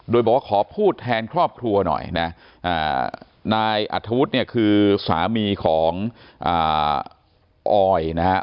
โดยบอกว่าขอพูดแทนครอบครัวหน่อยนะนายอัธวุฒิเนี่ยคือสามีของออยนะฮะ